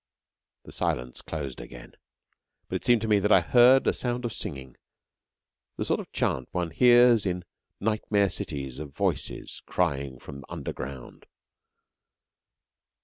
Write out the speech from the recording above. The silence closed again, but it seemed to me that I heard a sound of singing the sort of chant one hears in nightmare cities of voices crying from underground.